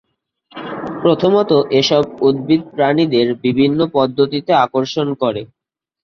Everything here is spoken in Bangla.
প্রথমত এসব উদ্ভিদ প্রাণীদের বিভিন্ন পদ্ধতিতে আকর্ষণ করে।